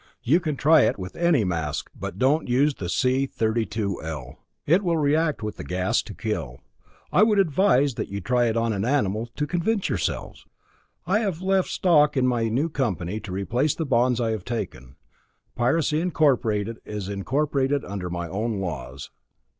You can try it with any mask but don't use the C 32L. It will react with the gas to kill. I would advise that you try it on an animal to convince yourselves. I have left stock in my new company to replace the bonds I have taken. Piracy Incorporated is incorporated under my own laws.